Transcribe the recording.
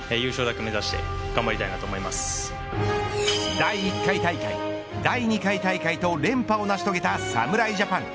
第１回大会、第２回大会と連覇を成し遂げた侍ジャパン。